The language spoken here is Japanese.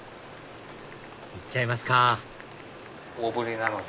いっちゃいますか大ぶりなので。